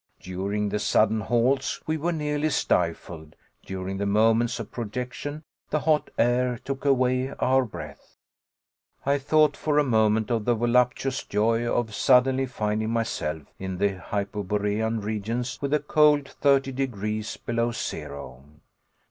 During the sudden halts we were nearly stifled; during the moments of projection the hot air took away our breath. I thought for a moment of the voluptuous joy of suddenly finding myself in the hyperborean regions with the cold thirty degrees below zero!